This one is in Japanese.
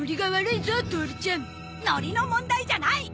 ノリの問題じゃない！